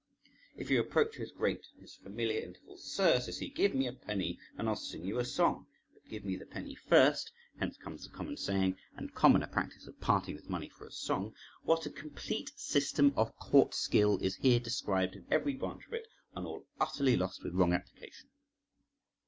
If you approach his grate in his familiar intervals, "Sir," says he, "give me a penny and I'll sing you a song; but give me the penny first" (hence comes the common saying and commoner practice of parting with money for a song). What a complete system of court skill is here described in every branch of it, and all utterly lost with wrong application!